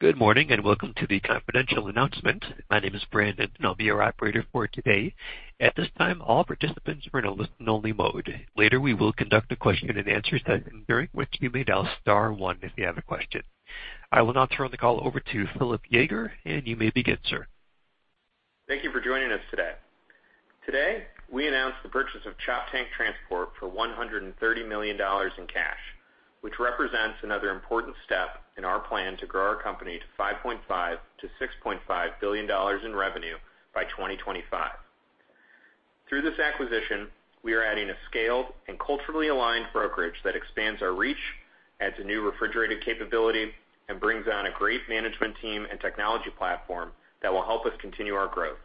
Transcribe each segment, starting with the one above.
Good morning, and welcome to the confidential announcement. My name is Brandon, and I'll be your operator for today. At this time, all participants are in a listen-only mode. Later, we will conduct a question and answer session, during which you may dial star one if you have a question. I will now turn the call over to Phillip Yeager, and you may begin, sir. Thank you for joining us today. Today, we announced the purchase of Choptank Transport for $130 million in cash, which represents another important step in our plan to grow our company to $5.5 billion-$6.5 billion in revenue by 2025. Through this acquisition, we are adding a scaled and culturally aligned brokerage that expands our reach, adds a new refrigerated capability, and brings on a great management team and technology platform that will help us continue our growth.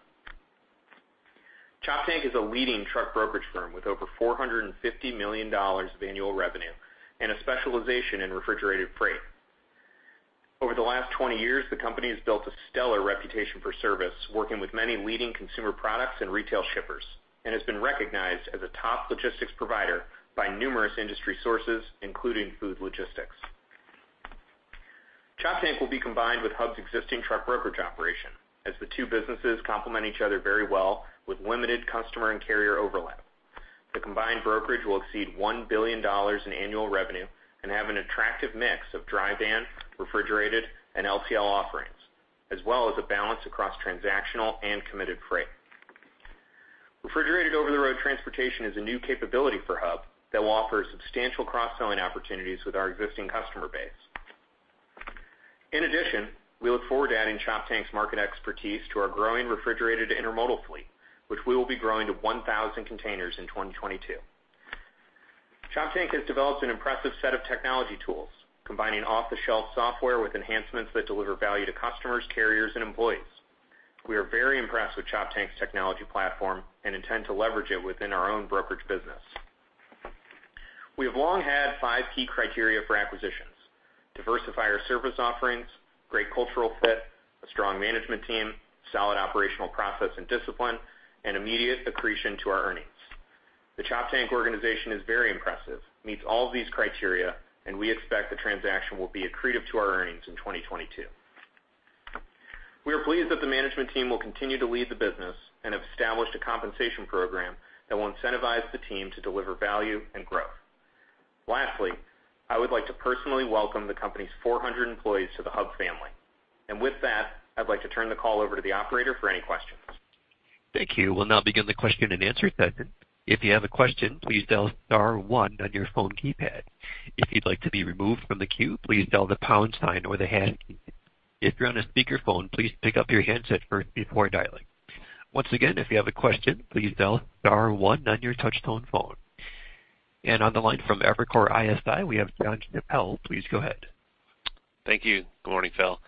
Choptank is a leading truck brokerage firm with over $450 million of annual revenue and a specialization in refrigerated freight. Over the last 20 years, the company has built a stellar reputation for service, working with many leading consumer products and retail shippers, and has been recognized as a top logistics provider by numerous industry sources, including Food Logistics. Choptank will be combined with Hub's existing truck brokerage operation, as the two businesses complement each other very well with limited customer and carrier overlap. The combined brokerage will exceed $1 billion in annual revenue and have an attractive mix of dry van, refrigerated, and LTL offerings, as well as a balance across transactional and committed freight. Refrigerated over-the-road transportation is a new capability for Hub that will offer substantial cross-selling opportunities with our existing customer base. In addition, we look forward to adding Choptank's market expertise to our growing refrigerated intermodal fleet, which we will be growing to 1,000 containers in 2022. Choptank has developed an impressive set of technology tools, combining off-the-shelf software with enhancements that deliver value to customers, carriers, and employees. We are very impressed with Choptank's technology platform and intend to leverage it within our own brokerage business. We have long had five key criteria for acquisitions, diversify our service offerings, great cultural fit, a strong management team, solid operational process and discipline, and immediate accretion to our earnings. The Choptank organization is very impressive, meets all of these criteria, and we expect the transaction will be accretive to our earnings in 2022. We are pleased that the management team will continue to lead the business and have established a compensation program that will incentivize the team to deliver value and growth. Lastly, I would like to personally welcome the company's 400 employees to the Hub family. With that, I'd like to turn the call over to the operator for any questions. Thank you. We'll now begin the question and answer session. If you have a question, please dial star one on your phone keypad. If you'd like to be removed from the queue, please dial the pound sign or the hash key. If you're on a speakerphone, please pick up your handset first before dialing. Once again, if you have a question, please dial star one on your touchtone phone. On the line from Evercore ISI, we have Jon Chappell. Please go ahead. Thank you. Good morning, Phil.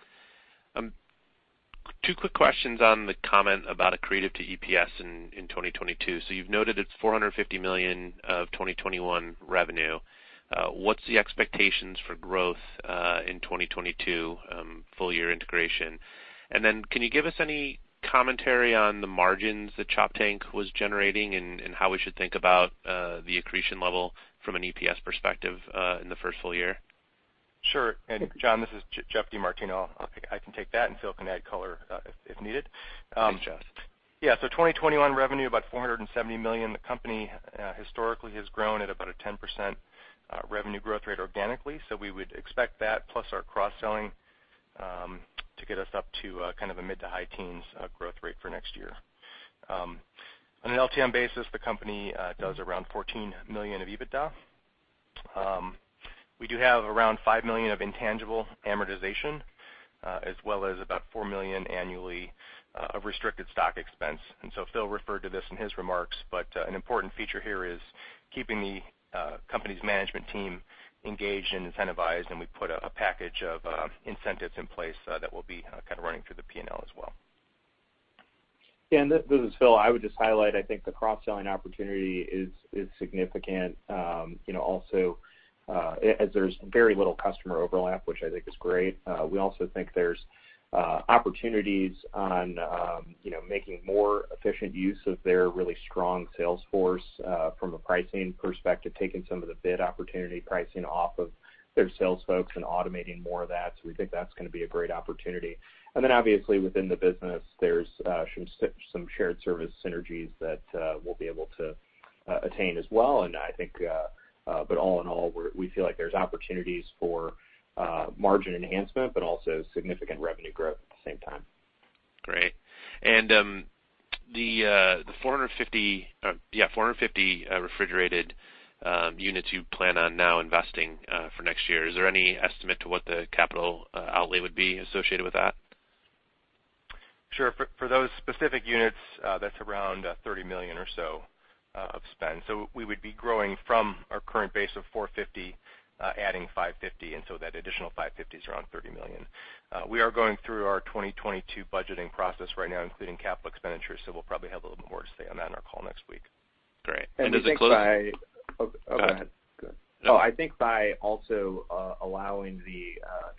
Two quick questions on the comment about accretive to EPS in 2022. You've noted it's $450 million of 2021 revenue. What's the expectations for growth in 2022 full year integration? Can you give us any commentary on the margins that Choptank was generating and how we should think about the accretion level from an EPS perspective in the first full year? Sure. Jon, this is Geoff DeMartino. I can take that, and Phil can add color if needed. Thanks, Geoff. 2021 revenue, about $470 million. The company historically has grown at about a 10% revenue growth rate organically. We would expect that plus our cross-selling to get us up to a mid to high teens growth rate for next year. On an LTM basis, the company does around $14 million of EBITDA. We do have around $5 million of intangible amortization, as well as about $4 million annually of restricted stock expense. Phil referred to this in his remarks, but an important feature here is keeping the company's management team engaged and incentivized, and we put a package of incentives in place that will be running through the P&L as well. This is Phil. I would just highlight, I think the cross-selling opportunity is significant. As there's very little customer overlap, which I think is great. We also think there's opportunities on making more efficient use of their really strong sales force from a pricing perspective, taking some of the bid opportunity pricing off of their sales folks and automating more of that. We think that's going to be a great opportunity. Obviously within the business, there's some shared service synergies that we'll be able to attain as well. All in all, we feel like there's opportunities for margin enhancement, but also significant revenue growth at the same time. Great. The 450 refrigerated units you plan on now investing for next year, is there any estimate to what the capital outlay would be associated with that? Sure. For those specific units, that's around $30 million or so of spend. We would be growing from our current base of 450, adding 550, that additional 550 is around $30 million. We are going through our 2022 budgeting process right now, including capital expenditures, we'll probably have a little bit more to say on that on our call next week. Great. Is it close? I think by Oh, go ahead. Go ahead. No, I think by also allowing the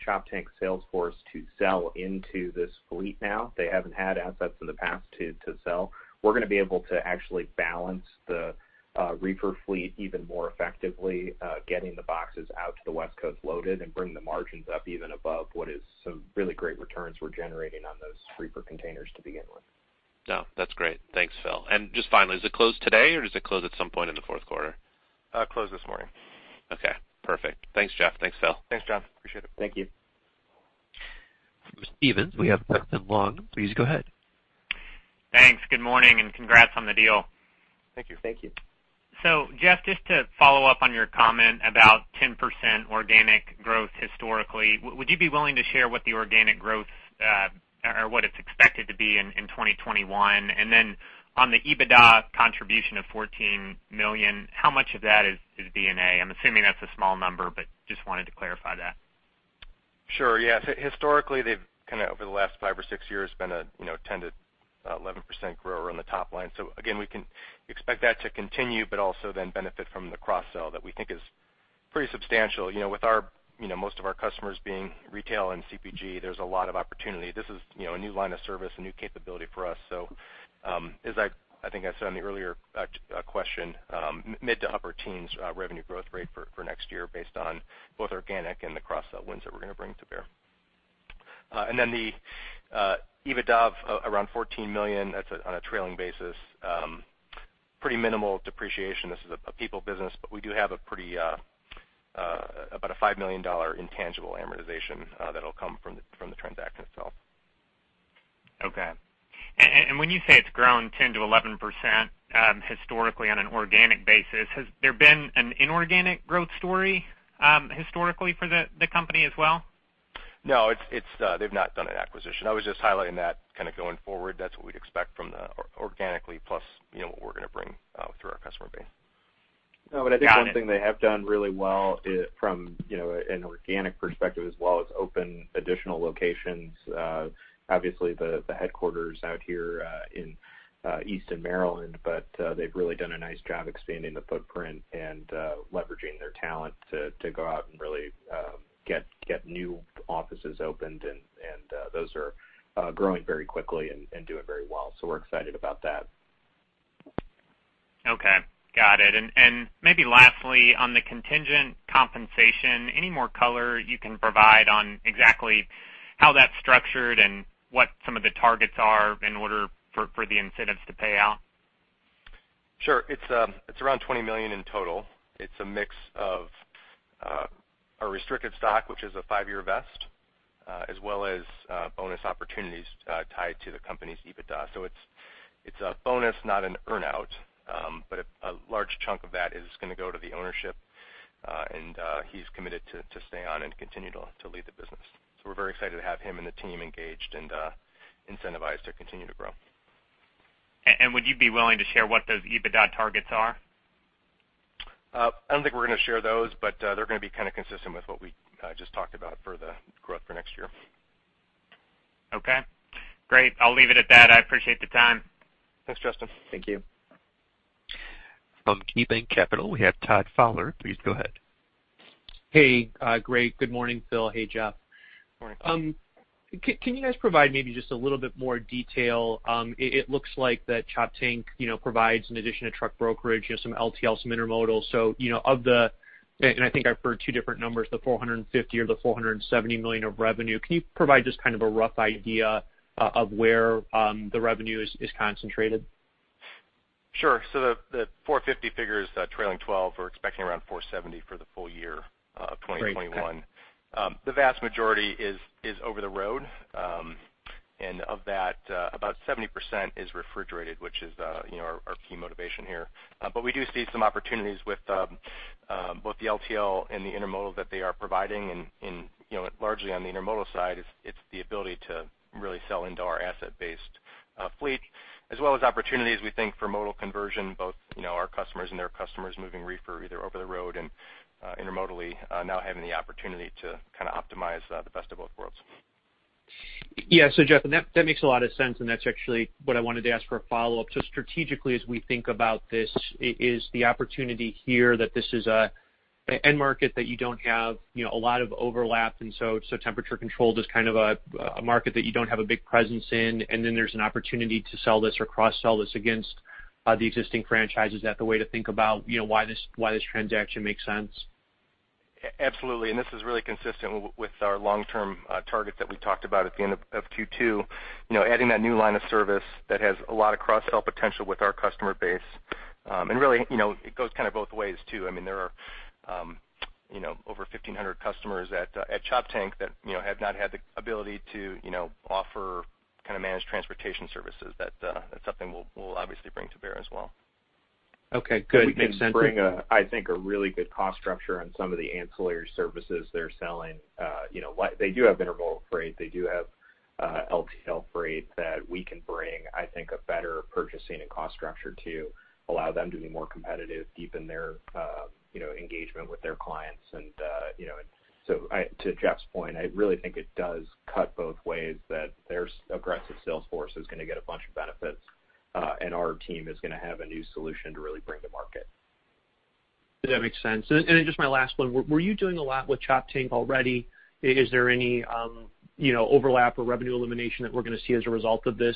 Choptank sales force to sell into this fleet now, they haven't had assets in the past to sell. We're going to be able to actually balance the reefer fleet even more effectively, getting the boxes out to the West Coast loaded and bring the margins up even above what is some really great returns we're generating on those reefer containers to begin with. No, that's great. Thanks, Phil. Just finally, does it close today or does it close at some point in the fourth quarter? It closed this morning. Okay, perfect. Thanks, Geoff. Thanks, Phil. Thanks, Jon. Appreciate it. Thank you. From Stephens, we have Justin Long. Please go ahead. Thanks. Good morning and congrats on the deal. Thank you. Thank you. Geoff, just to follow up on your comment about 10% organic growth historically, would you be willing to share what the organic growth, or what it's expected to be in 2021? On the EBITDA contribution of $14 million, how much of that is D&A? I'm assuming that's a small number, but just wanted to clarify that. Sure, yeah. Historically, they've kind of over the last 5 or 6 years been a 10%-11% grower on the top line. Again, we can expect that to continue, but also then benefit from the cross-sell that we think is pretty substantial. With most of our customers being retail and CPG, there's a lot of opportunity. This is a new line of service, a new capability for us. As I think I said on the earlier question, mid to upper teens revenue growth rate for next year based on both organic and the cross-sell wins that we're going to bring to bear. The EBITDA of around $14 million, that's on a trailing basis. Pretty minimal depreciation. This is a people business, but we do have about a $5 million intangible amortization that'll come from the transaction itself. Okay. When you say it's grown 10%-11% historically on an organic basis, has there been an inorganic growth story historically for the company as well? No, they've not done an acquisition. I was just highlighting that kind of going forward, that's what we'd expect from the organically plus what we're going to bring through our customer base. Got it. I think one thing they have done really well from an organic perspective as well is open additional locations. The headquarters out here in eastern Maryland, but they've really done a nice job expanding the footprint and leveraging their talent to go out and really get new offices opened, and those are growing very quickly and doing very well. We're excited about that. Okay. Got it. Maybe lastly, on the contingent compensation, any more color you can provide on exactly how that's structured and what some of the targets are in order for the incentives to pay out? Sure. It's around $20 million in total. It's a mix of a restricted stock, which is a 5-year vest, as well as bonus opportunities tied to the company's EBITDA. It's a bonus, not an earn-out. A large chunk of that is going to go to the ownership. He's committed to stay on and continue to lead the business. We're very excited to have him and the team engaged and incentivized to continue to grow. Would you be willing to share what those EBITDA targets are? I don't think we're going to share those, but they're going to be kind of consistent with what we just talked about for the growth for next year. Okay, great. I'll leave it at that. I appreciate the time. Thanks, Justin. Thank you. From KeyBanc Capital, we have Todd Fowler. Please go ahead. Hey, great. Good morning, Phil. Hey, Geoff. Morning. Can you guys provide maybe just a little bit more detail? It looks like that Choptank provides, in addition to truck brokerage, some LTL, some intermodal. I think I've heard two different numbers, the $450 million or the $470 million of revenue. Can you provide just kind of a rough idea of where the revenue is concentrated? Sure. The $450 figure is trailing 12. We're expecting around $470 for the full year of 2021. Great. Okay. The vast majority is over the road. Of that, about 70% is refrigerated, which is our key motivation here. We do see some opportunities with both the LTL and the intermodal that they are providing, and largely on the intermodal side, it's the ability to really sell into our asset-based fleet, as well as opportunities we think for modal conversion, both our customers and their customers moving reefer either over the road and intermodally, now having the opportunity to kind of optimize the best of both worlds. Yeah. Geoff, that makes a lot of sense, and that's actually what I wanted to ask for a follow-up. Strategically, as we think about this, is the opportunity here that this is an end market that you don't have a lot of overlap, and so temperature controlled is kind of a market that you don't have a big presence in, and then there's an opportunity to sell this or cross-sell this against the existing franchises? Is that the way to think about why this transaction makes sense? Absolutely. This is really consistent with our long-term target that we talked about at the end of Q2. Adding that new line of service that has a lot of cross-sell potential with our customer base. Really, it goes kind of both ways, too. There are over 1,500 customers at Choptank that have not had the ability to offer kind of managed transportation services. That's something we'll obviously bring to bear as well. Okay, good. Makes sense. We can bring, I think, a really good cost structure on some of the ancillary services they're selling. They do have intermodal freight, they do have LTL freight that we can bring, I think, a better purchasing and cost structure to allow them to be more competitive, deepen their engagement with their clients. To Geoff's point, I really think it does cut both ways that their aggressive sales force is going to get a bunch of benefits, and our team is going to have a new solution to really bring to market. That makes sense. Just my last one, were you doing a lot with Choptank already? Is there any overlap or revenue elimination that we're going to see as a result of this?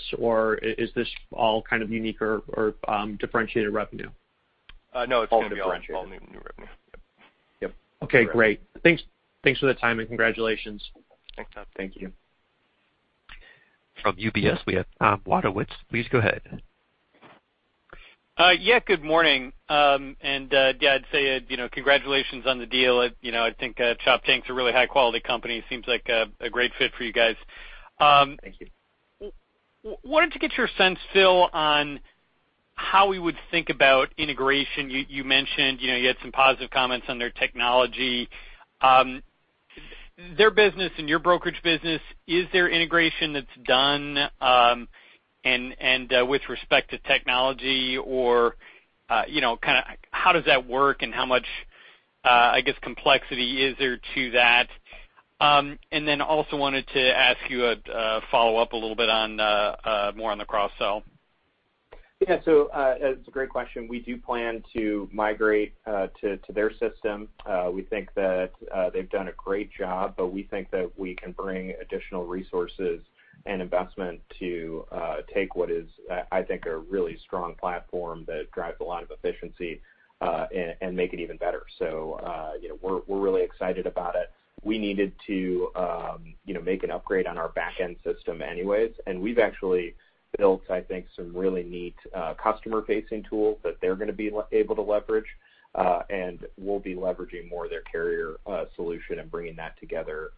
Is this all kind of unique or differentiated revenue? It's going to be all new revenue. Yep. Okay, great. Thanks for the time and congratulations. Thanks, Todd. Thank you. From UBS, we have Tom Wadewitz. Please go ahead. Yeah, good morning. Yeah, I'd say, congratulations on the deal. I think Choptank is a really high-quality company, seems like a great fit for you guys. Thank you. Wanted to get your sense, Phil, on how we would think about integration. You mentioned you had some positive comments on their technology. Their business and your brokerage business, is there integration that's done, and with respect to technology or how does that work and how much, I guess, complexity is there to that? Then also wanted to ask you a follow-up a little bit more on the cross-sell. Yeah. It's a great question. We do plan to migrate to their system. We think that they've done a great job. We think that we can bring additional resources and investment to take what is, I think, a really strong platform that drives a lot of efficiency, and make it even better. We're really excited about it. We needed to make an upgrade on our back end system anyways. We've actually built, I think, some really neat customer-facing tools that they're going to be able to leverage. We'll be leveraging more of their carrier solution and bringing that together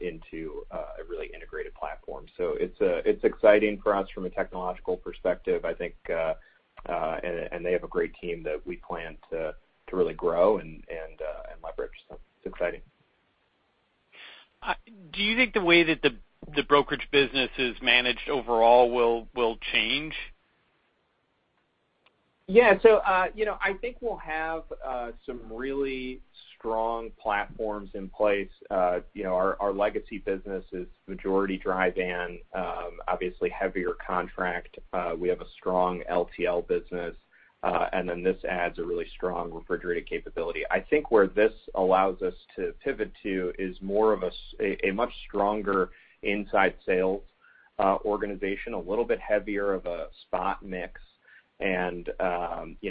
into a really integrated platform. It's exciting for us from a technological perspective, I think. They have a great team that we plan to really grow and leverage. It's exciting. Do you think the way that the brokerage business is managed overall will change? I think we'll have some really strong platforms in place. Our legacy business is majority dry van, obviously heavier contract. We have a strong LTL business. This adds a really strong refrigerated capability. I think where this allows us to pivot to is more of a much stronger inside sales organization, a little bit heavier of a spot mix and,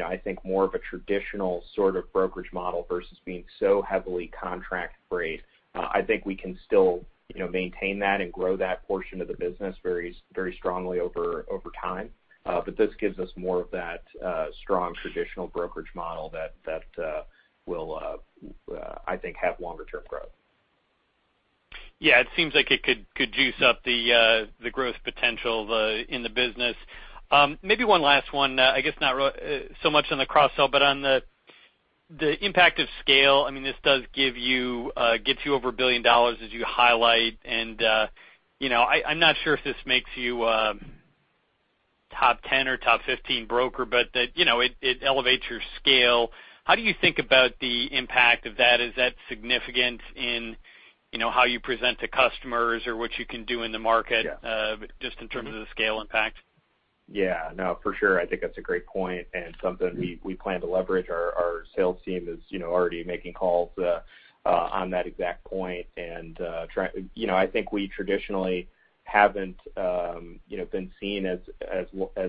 I think more of a traditional sort of brokerage model versus being so heavily contract-based. I think we can still maintain that and grow that portion of the business very strongly over time. This gives us more of that strong traditional brokerage model that will, I think, have longer term growth. It seems like it could juice up the growth potential in the business. Maybe one last one, I guess not so much on the cross-sell, but on the impact of scale. This does get you over $1 billion as you highlight, and I'm not sure if this makes you a top 10 or top 15 broker, but that it elevates your scale. How do you think about the impact of that? Is that significant in how you present to customers or what you can do in the market? Yeah just in terms of the scale impact? Yeah, no, for sure. I think that's a great point and something we plan to leverage. Our sales team is already making calls on that exact point. I think we traditionally haven't been seen as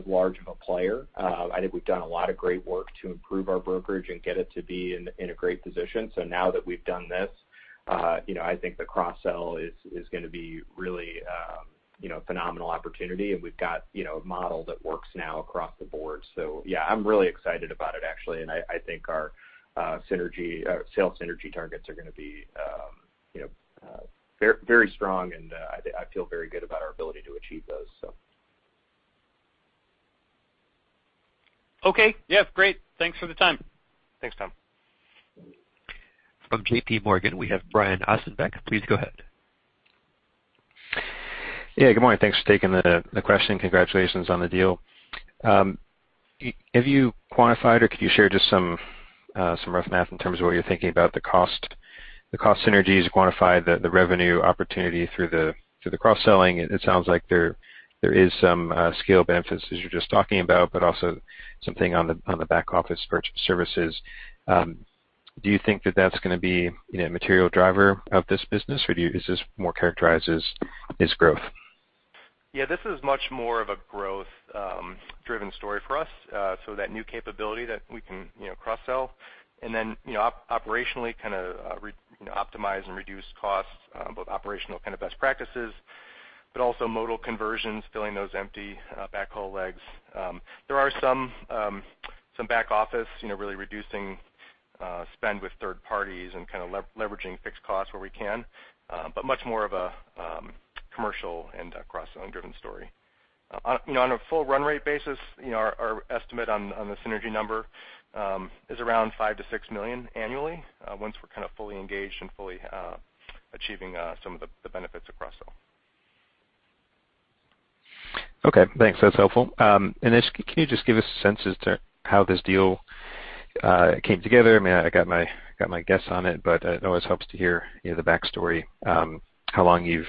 large of a player. I think we've done a lot of great work to improve our brokerage and get it to be in a great position. Now that we've done this, I think the cross-sell is going to be really a phenomenal opportunity. We've got a model that works now across the board. Yeah, I'm really excited about it, actually. I think our sales synergy targets are going to be very strong. I feel very good about our ability to achieve those. Okay. Yeah, great. Thanks for the time. Thanks, Tom. From J.P. Morgan, we have Brian Ossenbeck. Please go ahead. Good morning. Thanks for taking the question. Congratulations on the deal. Have you quantified or could you share just some rough math in terms of what you're thinking about the cost synergies, quantified the revenue opportunity through the cross-selling? It sounds like there is some scale benefits as you were just talking about, but also something on the back office purchase services. Do you think that that's going to be a material driver of this business, or is this more characterized as growth? This is much more of a growth-driven story for us. That new capability that we can cross-sell, and then operationally kind of optimize and reduce costs, both operational kind of best practices, but also modal conversions, filling those empty backhaul legs. There are some back office really reducing spend with third parties and kind of leveraging fixed costs where we can. Much more of a commercial and cross-sell driven story. On a full run rate basis, our estimate on the synergy number is around $5 million-$6 million annually, once we're kind of fully engaged and fully achieving some of the benefits of cross-sell. Okay, thanks. That's helpful. Can you just give us a sense as to how this deal came together? I got my guess on it, but it always helps to hear the back story. How long you've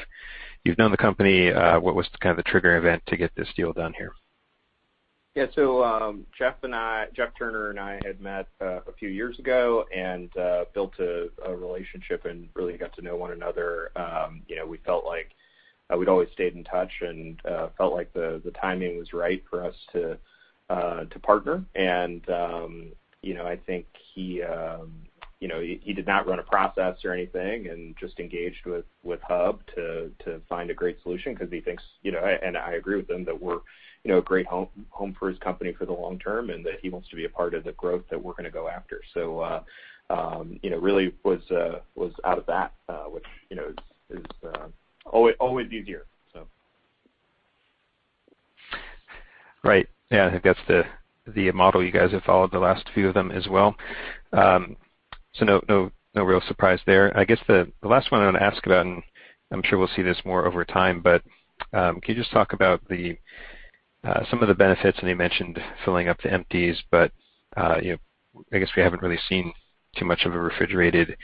known the company? What was kind of the trigger event to get this deal done here? Yeah. Geoff Turner and I had met a few years ago and built a relationship and really got to know one another. We'd always stayed in touch and felt like the timing was right for us to partner, and I think He did not run a process or anything, and just engaged with Hub to find a great solution because he thinks, and I agree with him, that we're a great home for his company for the long term, and that he wants to be a part of the growth that we're going to go after. So, really was out of that, which is always easier. Right. Yeah, I think that's the model you guys have followed the last few of them as well. No real surprise there. I guess the last one I want to ask about, and I'm sure we'll see this more over time, but can you just talk about some of the benefits, I know you mentioned filling up the empties, but I guess we haven't really seen too much of a refrigerated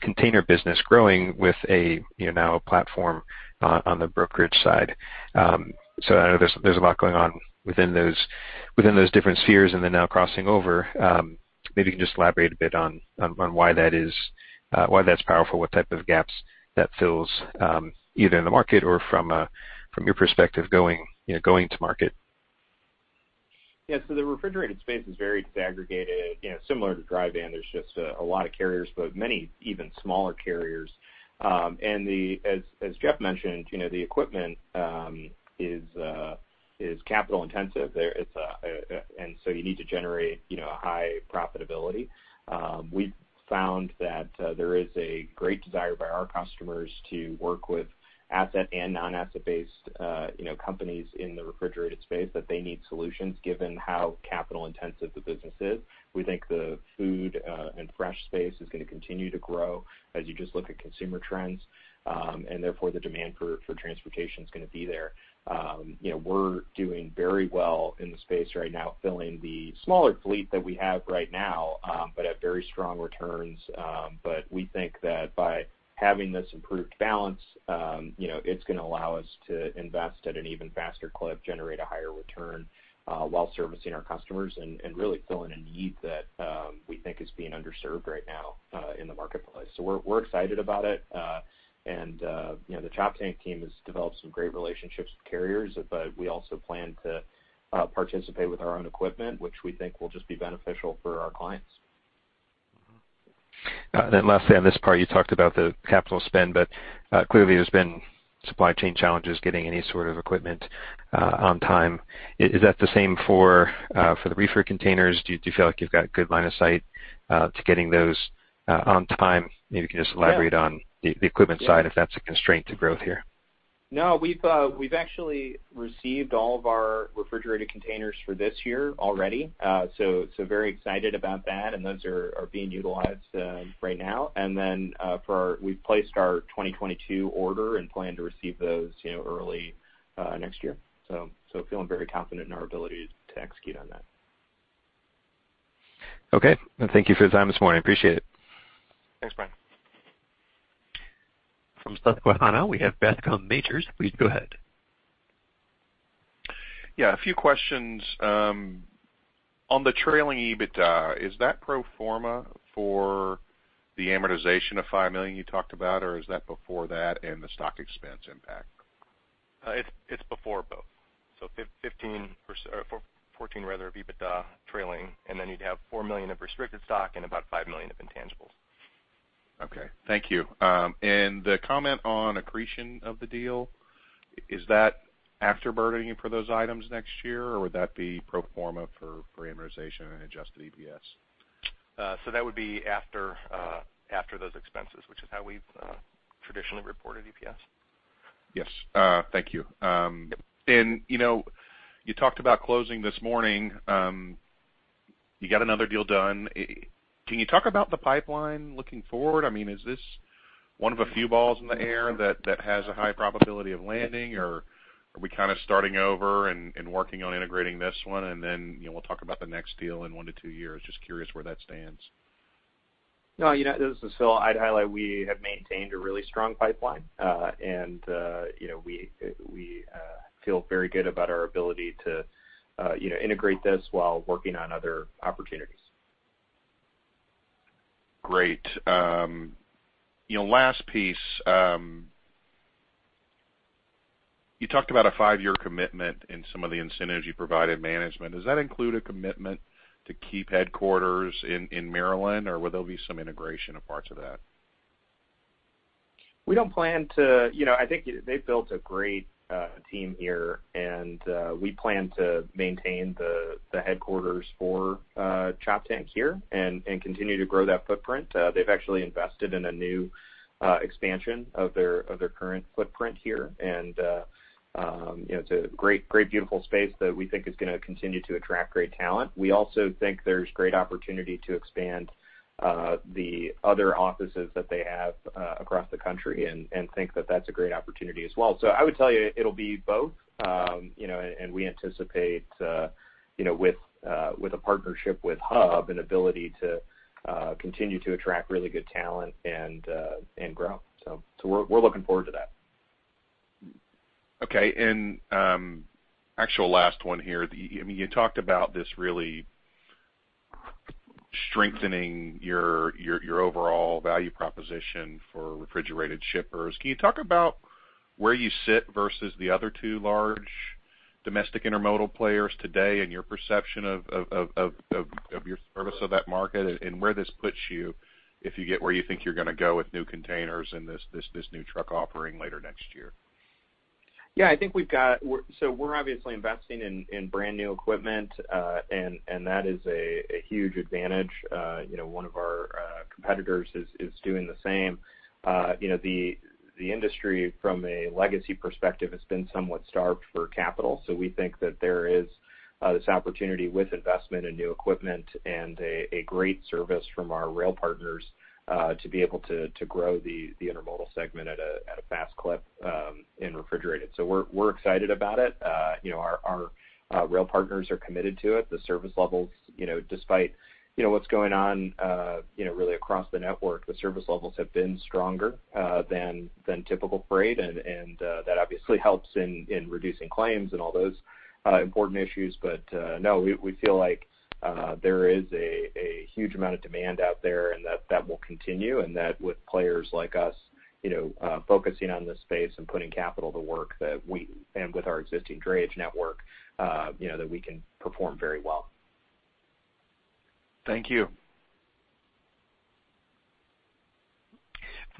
container business growing with a now platform on the brokerage side. I know there's a lot going on within those different spheres and then now crossing over. Maybe you can just elaborate a bit on why that's powerful, what type of gaps that fills, either in the market or from your perspective going to market. Yeah. The refrigerated space is very disaggregated. Similar to dry van, there's just a lot of carriers, but many even smaller carriers. As Geoff mentioned, the equipment is capital intensive. You need to generate a high profitability. We've found that there is a great desire by our customers to work with asset and non-asset based companies in the refrigerated space, that they need solutions given how capital intensive the business is. We think the food and fresh space is going to continue to grow as you just look at consumer trends. Therefore, the demand for transportation's going to be there. We're doing very well in the space right now, filling the smaller fleet that we have right now, but at very strong returns. We think that by having this improved balance, it's going to allow us to invest at an even faster clip, generate a higher return while servicing our customers, and really filling a need that we think is being underserved right now in the marketplace. We're excited about it. The Choptank team has developed some great relationships with carriers, but we also plan to participate with our own equipment, which we think will just be beneficial for our clients. Mm-hmm. Lastly on this part, you talked about the capital spend, but clearly there's been supply chain challenges getting any sort of equipment on time. Is that the same for the reefer containers? Do you feel like you've got a good line of sight to getting those on time? Maybe you can just elaborate on the equipment side, if that's a constraint to growth here. No, we've actually received all of our refrigerated containers for this year already. Very excited about that, and those are being utilized right now. We've placed our 2022 order and plan to receive those early next year. Feeling very confident in our ability to execute on that. Okay. Thank you for your time this morning. Appreciate it. Thanks, Brian. From Susquehanna, we have Bascome Majors. Please go ahead. Yeah, a few questions. On the trailing EBITDA, is that pro forma for the amortization of $5 million you talked about, or is that before that and the stock expense impact? It's before both. $14 EBITDA trailing, you'd have $4 million of restricted stock and about $5 million of intangibles. Okay. Thank you. The comment on accretion of the deal, is that after burdening for those items next year, or would that be pro forma for amortization and adjusted EPS? That would be after those expenses, which is how we've traditionally reported EPS. Yes. Thank you. Yep. You talked about closing this morning. You got another deal done. Can you talk about the pipeline looking forward? Is this one of a few balls in the air that has a high probability of landing, or are we kind of starting over and working on integrating this one and then we'll talk about the next deal in 1 to 2 years? Just curious where that stands. No, this is Phil. I'd highlight we have maintained a really strong pipeline. We feel very good about our ability to integrate this while working on other opportunities. Great. Last piece. You talked about a five-year commitment in some of the incentives you provided management. Does that include a commitment to keep headquarters in Maryland, or will there be some integration of parts of that? I think they've built a great team here, and we plan to maintain the headquarters for Choptank here and continue to grow that footprint. They've actually invested in a new expansion of their current footprint here, and it's a great, beautiful space that we think is going to continue to attract great talent. We also think there's great opportunity to expand the other offices that they have across the country, and think that that's a great opportunity as well. I would tell you, it'll be both. We anticipate, with a partnership with Hub, an ability to continue to attract really good talent and grow. We're looking forward to that. Okay. Actual last one here. You talked about this really strengthening your overall value proposition for refrigerated shippers. Can you talk about where you sit versus the other 2 large? Domestic intermodal players today and your perception of your service of that market and where this puts you, if you get where you think you're going to go with new containers and this new truck offering later next year. Yeah. We're obviously investing in brand-new equipment, and that is a huge advantage. One of our competitors is doing the same. The industry, from a legacy perspective, has been somewhat starved for capital. We think that there is this opportunity with investment in new equipment and a great service from our rail partners to be able to grow the intermodal segment at a fast clip in refrigerated. We're excited about it. Our rail partners are committed to it. Despite what's going on really across the network, the service levels have been stronger than typical freight, and that obviously helps in reducing claims and all those important issues. No, we feel like there is a huge amount of demand out there, and that will continue, and that with players like us focusing on this space and putting capital to work, and with our existing drayage network, that we can perform very well. Thank you.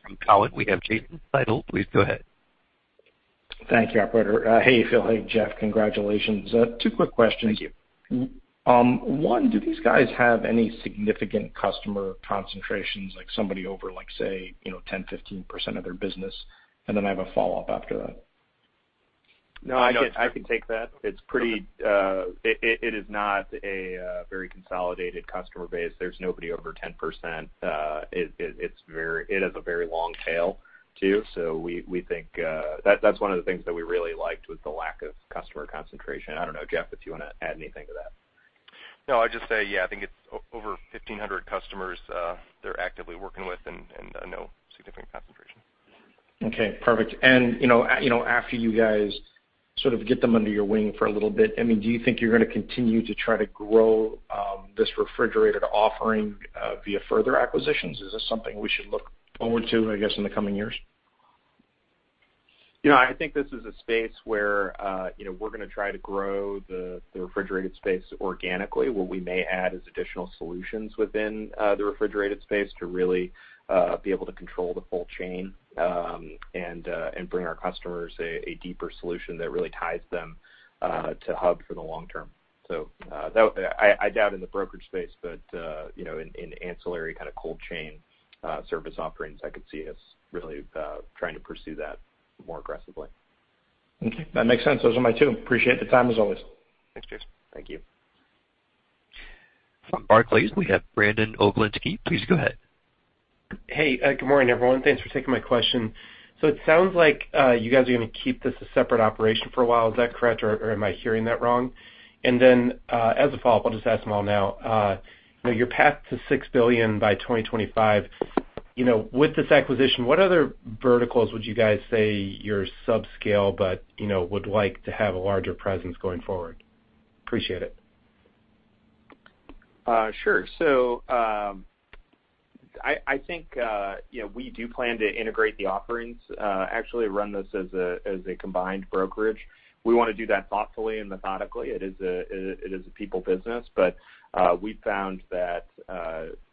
From Cowen, we have Jason Seidl. Please go ahead. Thank you, operator. Hey, Phil. Hey, Geoff. Congratulations. Two quick questions. Thank you. One, do these guys have any significant customer concentrations, like somebody over, say, 10%, 15% of their business? Then I have a follow-up after that. No, I can take that. It is not a very consolidated customer base. There's nobody over 10%. It has a very long tail, too. That's one of the things that we really liked, was the lack of customer concentration. I don't know, Geoff, if you want to add anything to that. No, I'd just say, yeah, I think it's over 1,500 customers they're actively working with, and no significant concentration. Okay. Perfect. After you guys sort of get them under your wing for a little bit, do you think you're going to continue to try to grow this refrigerated offering via further acquisitions? Is this something we should look forward to, I guess, in the coming years? I think this is a space where we're going to try to grow the refrigerated space organically. What we may add is additional solutions within the refrigerated space to really be able to control the cold chain and bring our customers a deeper solution that really ties them to Hub for the long term. I doubt in the brokerage space, but in ancillary kind of cold chain service offerings, I could see us really trying to pursue that more aggressively. Okay. That makes sense. Those are my two. Appreciate the time, as always. Thanks, Jason. Thank you. From Barclays, we have Brandon Oglenski. Please go ahead. Hey, good morning, everyone. Thanks for taking my question. It sounds like you guys are going to keep this a separate operation for a while. Is that correct, or am I hearing that wrong? Then as a follow-up, I'll just ask them all now. Your path to $6 billion by 2025. With this acquisition, what other verticals would you guys say you're subscale but would like to have a larger presence going forward? Appreciate it. Sure. I think we do plan to integrate the offerings, actually run this as a combined brokerage. We want to do that thoughtfully and methodically. It is a people business, but we found that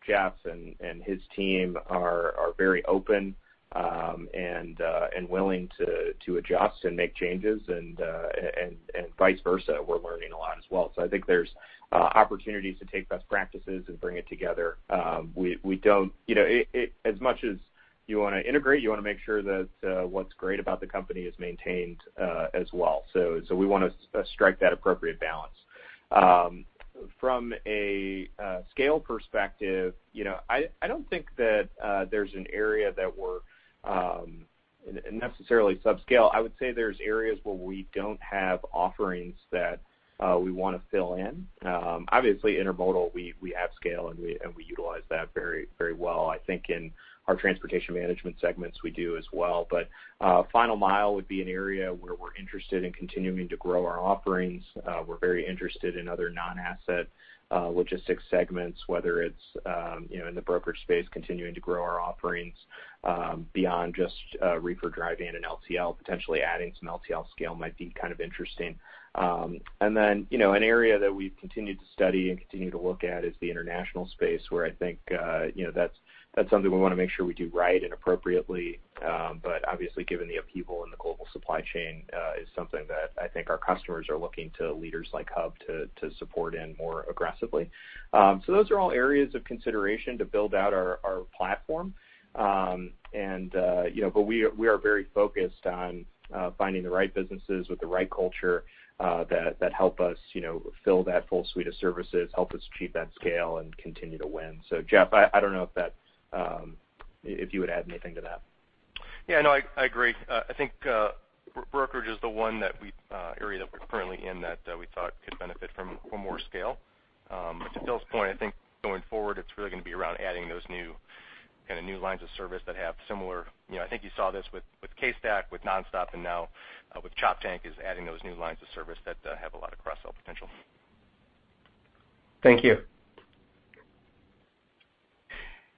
Geoff and his team are very open and willing to adjust and make changes, and vice versa. We're learning a lot as well. I think there's opportunities to take best practices and bring it together. As much as you want to integrate, you want to make sure that what's great about the company is maintained as well. We want to strike that appropriate balance. From a scale perspective, I don't think that there's an area that we're necessarily subscale. I would say there's areas where we don't have offerings that we want to fill in. Obviously, intermodal, we have scale, and we utilize that very well. I think in our transportation management segments, we do as well. Final mile would be an area where we're interested in continuing to grow our offerings. We're very interested in other non-asset logistics segments, whether it's in the brokerage space, continuing to grow our offerings beyond just reefer dry van and LTL. Potentially adding some LTL scale might be kind of interesting. An area that we've continued to study and continue to look at is the international space, where I think that's something we want to make sure we do right and appropriately. Obviously, given the upheaval in the global supply chain, is something that I think our customers are looking to leaders like Hub to support in more aggressively. Those are all areas of consideration to build out our platform. We are very focused on finding the right businesses with the right culture that help us fill that full suite of services, help us achieve that scale, and continue to win. Geoff, I don't know if you would add anything to that. Yeah, no, I agree. I think brokerage is the one area that we're currently in that we thought could benefit from more scale. To Phil's point, I think going forward, it's really going to be around adding those new lines of service that have similar I think you saw this with CaseStack, with Nonstop, and now with Choptank, is adding those new lines of service that have a lot of cross-sell potential. Thank you.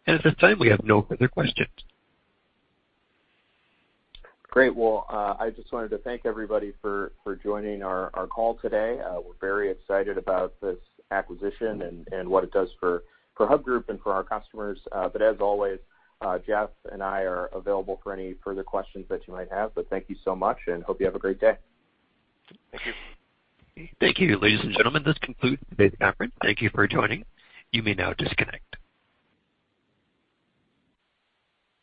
At this time, we have no further questions. Great. Well, I just wanted to thank everybody for joining our call today. We're very excited about this acquisition and what it does for Hub Group and for our customers. As always, Geoff and I are available for any further questions that you might have. Thank you so much, and hope you have a great day. Thank you. Thank you, ladies and gentlemen. This concludes today's conference. Thank you for joining. You may now disconnect.